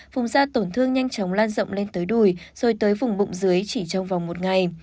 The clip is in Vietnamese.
vùng da tổn thương nhanh chóng lan rộng lên tới đùi rồi tới vùng bụng dưới chỉ trong vòng một ngày